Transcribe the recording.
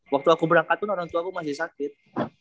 waktu aku berangkat pun orang tua aku masih sakit